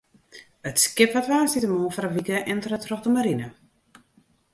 It skip waard woansdeitemoarn foar in wike entere troch de marine.